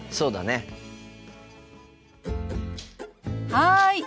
はい。